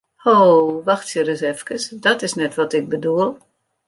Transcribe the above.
Ho, wachtsje ris efkes, dat is net wat ik bedoel!